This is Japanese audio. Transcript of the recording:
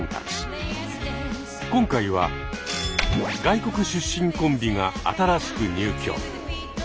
今回は外国出身コンビが新しく入居。